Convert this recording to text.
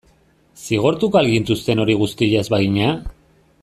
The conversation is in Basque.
Zigortuko al gintuzten hori guztia ez bagina?